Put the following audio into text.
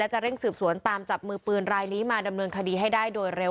จะเร่งสืบสวนตามจับมือปืนรายนี้มาดำเนินคดีให้ได้โดยเร็ว